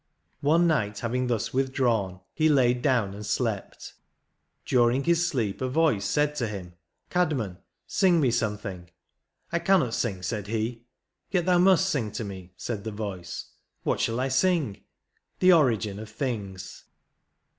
One night having thus withdrawn, he laid down and slept; during his sleep a voice said to him "Caedmon, sing me something;" "I cannot sing," said he; "Yet thou must sing to me," said the voice ; "What shall I sing?" *'The origin of things."